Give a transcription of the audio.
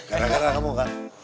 gara gara kamu kan